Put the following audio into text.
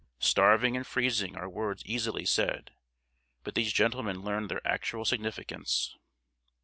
Starving and freezing are words easily said, but these gentlemen learned their actual significance.